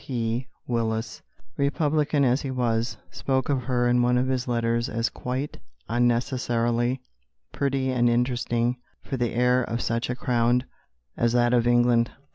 P. Willis, republican as he was, spoke of her in one of his letters as "quite unnecessarily pretty and interesting for the heir of such a crown as that of England."